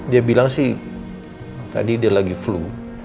dia bilang sih tadi dia lagi flu